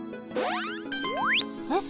えっ？